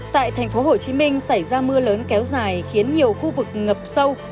tại thành phố hồ chí minh xảy ra mưa lớn kéo dài khiến nhiều khu vực ngập sâu